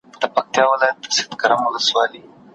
تر ابده چي پاییږي دا بې ساري بې مثال دی.